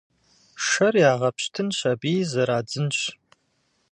Шэр ягъэпщтынщ аби зэрадзынщ.